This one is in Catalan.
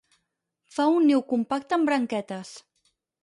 Fa un niu compacte amb branquetes.